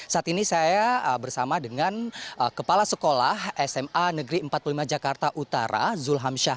saat ini saya bersama dengan kepala sekolah sma negeri empat puluh lima jakarta utara zulham syah